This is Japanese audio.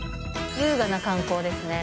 優雅な観光ですね。